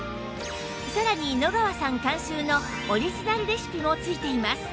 さらに野川さん監修のオリジナルレシピも付いています